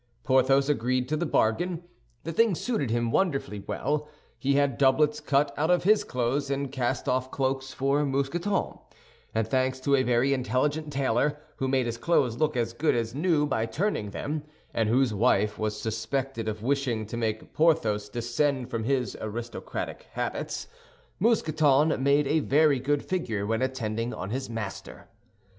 Porthos agreed to the bargain; the thing suited him wonderfully well. He had doublets cut out of his old clothes and cast off cloaks for Mousqueton, and thanks to a very intelligent tailor, who made his clothes look as good as new by turning them, and whose wife was suspected of wishing to make Porthos descend from his aristocratic habits, Mousqueton made a very good figure when attending on his master.